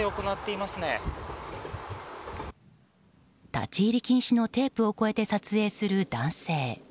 立ち入り禁止のテープを越えて撮影する男性。